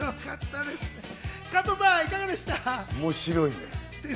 面白いね。